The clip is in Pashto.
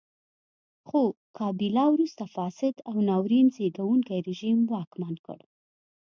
خو کابیلا وروسته فاسد او ناورین زېږوونکی رژیم واکمن کړ.